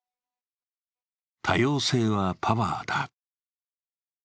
多様性はパワーだ。